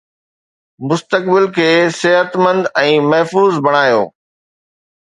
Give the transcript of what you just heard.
مستقبل کي صحتمند ۽ محفوظ بڻايو